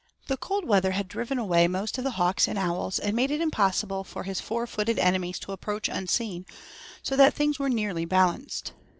The cold weather had driven away most of the hawks and owls, and made it impossible for his four footed enemies to approach unseen, so that things were nearly balanced.